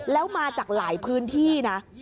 แล้วมาจากหลายพื้นที่นะ